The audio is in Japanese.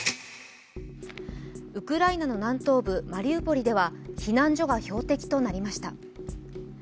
ウクライナの南東部マリウポリでは避難所が標的となりました。